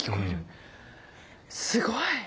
すごい。